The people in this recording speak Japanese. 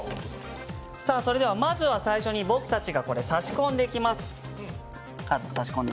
それではまずは最初に僕たちが差し込んでいきます。